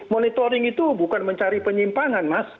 monitoring itu bukan mencari penyimpangan mas